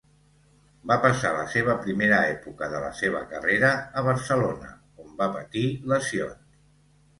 Va passar la seva primera època de la seva carrera a Barcelona, on va patir lesions.